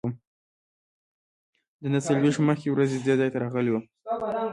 زه نهه څلوېښت ورځې مخکې دې ځای ته راغلی وم.